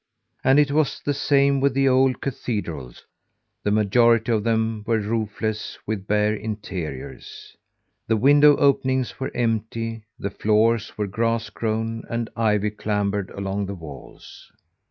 And it was the same with the old cathedrals; the majority of them were roofless with bare interiors. The window openings were empty, the floors were grass grown, and ivy clambered along the walls.